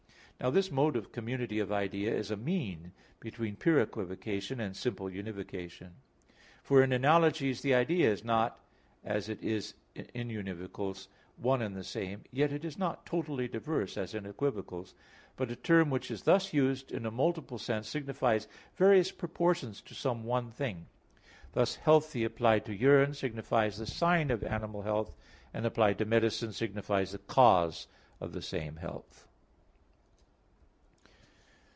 Now this mode of community of idea is a mean between pure equivocation and simple univocation. For in analogies the idea is not, as it is in univocals, one and the same, yet it is not totally diverse as in equivocals; but a term which is thus used in a multiple sense signifies various proportions to some one thing; thus "healthy" applied to urine signifies the sign of animal health, and applied to medicine signifies the cause of the same health.